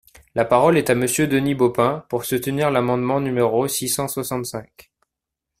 La parole est à Monsieur Denis Baupin, pour soutenir l’amendement numéro six cent soixante-cinq.